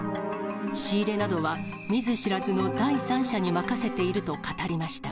仕入れなどは、見ず知らずの第三者に任せていると語りました。